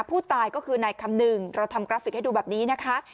ผู้ตายก็คือนายคำหนึ่งเราทำกราฟิกให้ดูแบบนี้นะคะ